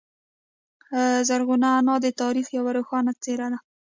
زرغونه انا د تاریخ یوه روښانه څیره ده.